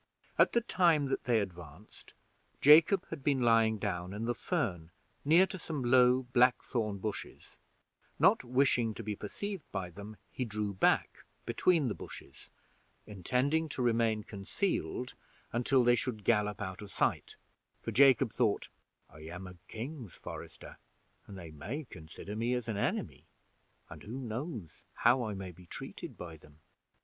At the time that they advanced, Jacob had been lying down in the fern near to some low black thorn bushes; not wishing to be perceived by them, he drew back between the bushes, intending to remain concealed until they should gallop out of sight; for Jacob thought, "I am a king's forester, and they may consider me as an enemy, and who knows how I may be treated by them?"